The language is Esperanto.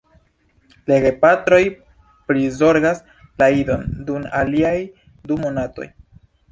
La gepatroj prizorgas la idon dum aliaj du monatoj.